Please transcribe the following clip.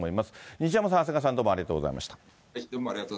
西山さん、長谷川さん、ありがとうございました。